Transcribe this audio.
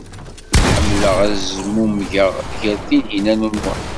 Ḥemmleɣ ad zmumgeɣ ɣer Tinhinan u Muḥ.